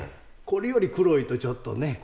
これより黒いとちょっとね。